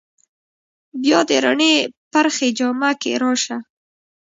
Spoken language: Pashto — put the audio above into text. بیا د رڼې پرخې جامه کې راشه